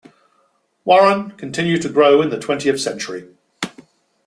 Warren continued to grow in the twentieth century.